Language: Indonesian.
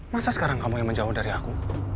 masa sekarang kamu yang menjauh dari aku